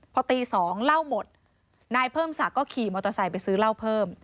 พอตี๒เหล้าหมดนายเพิ่มศักดิ์ก็ขี่มอเตอร์ไซค์ไปซื้อเหล้าเพิ่ม